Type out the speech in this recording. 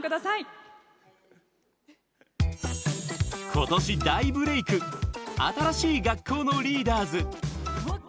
今年大ブレーク新しい学校のリーダーズ。